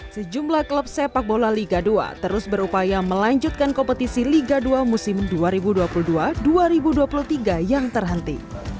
sejumlah klub sepak bola liga dua terus berupaya melanjutkan kompetisi liga dua musim dua ribu dua puluh dua dua ribu dua puluh tiga yang terhenti